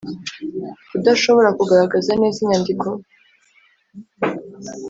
kudashobora kugaragaza neza inyandiko